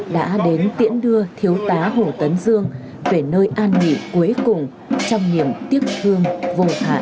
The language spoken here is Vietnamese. đã đến tiễn đưa thiếu tá hồ tấn dương về nơi an nghỉ cuối cùng trong niềm tiếc thương vô hạn